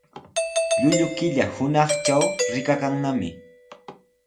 Llullu killa hunaqtraw rikakannami.